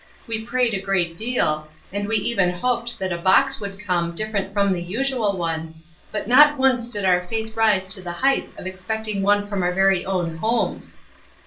We prayed a great deal, and we even hoped that a box would come different from the usual one, but not once did our faith rise to the heights of expecting one from our very own homes.